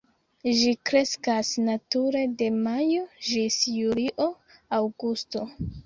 Ĝi kreskas nature de majo ĝis julio, aŭgusto.